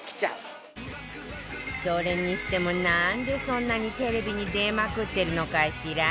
それにしてもなんでそんなにテレビに出まくってるのかしら？